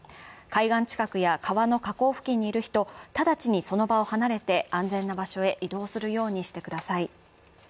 海岸近くや川の河口付近にいる人たちにその場を離れて安全な場所へ移動するようにしてください。